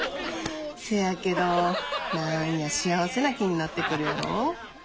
せやけど何や幸せな気になってくるやろ？